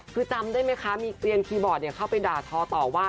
คือจำได้ไหมคะมีเกวียนคีย์บอร์ดเข้าไปด่าทอต่อว่า